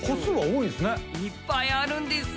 いっぱいあるんです。